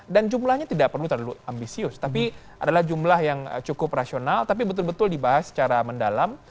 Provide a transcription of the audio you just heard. dan jumlahnya tidak perlu terlalu ambisius tapi adalah jumlah yang cukup rasional tapi betul betul dibahas secara mendalam